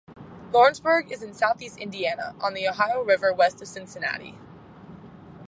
Lawrenceburg is in southeast Indiana, on the Ohio River west of Cincinnati.